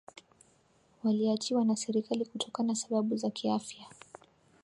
waliachiwa na serikali kutokana sababu za kiafya